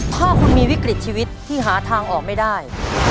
ถ้าคุณมีวิกฤตชีวิตที่หาทางออกไม่ได้